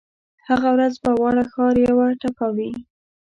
هغه ورځ به واړه ښار یوه ټپه وي